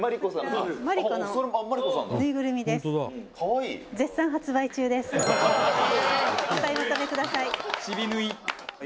「可愛い」「お買い求めください」